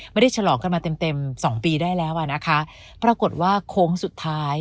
ไม่ได้ฉลองกันมาเต็ม๒ปีได้แล้วนะคะปรากฏว่าโค้งสุดท้าย